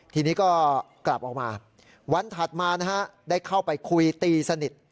ทีนี้ก็กลับออกมาวันถัดมานะฮะได้เข้าไปคุยตีสนิท